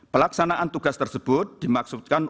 pelaksanaan tugas tersebut dimaksudkan